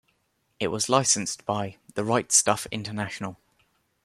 It was licensed by The Right Stuf International.